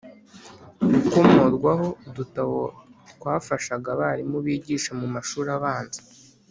Gukomorwaho udutabo twafashaga abarimu bigishaga mu mashuri abanza.